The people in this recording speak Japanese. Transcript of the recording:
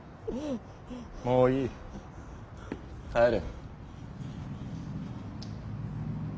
もういい帰れ。